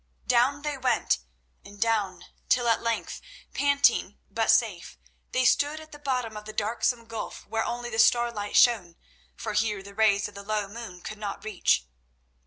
Down they went, and down, till at length, panting, but safe, they stood at the bottom of the darksome gulf where only the starlight shone, for here the rays of the low moon could not reach.